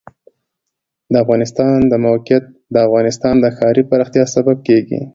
د افغانستان د موقعیت د افغانستان د ښاري پراختیا سبب کېږي.